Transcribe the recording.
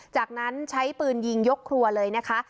จากนั้นใช้ปืนยิงยกครัวเลยนะคะ